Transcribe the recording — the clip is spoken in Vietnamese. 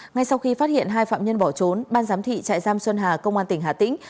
ngay sau khi phát hiện hai phạm nhân bỏ trốn ban giám thị trại giam xuân hà công an tỉnh hà tĩnh